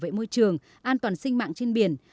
bảo vệ môi trường an toàn sinh mạng trên biển